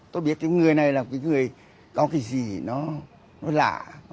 tôi biết cái người này là cái người có cái gì nó lạ